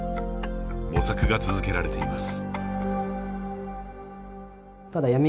模索が続けられています。